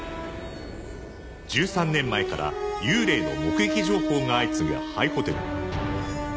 １３年前から幽霊の目撃情報が相次ぐ廃ホテル。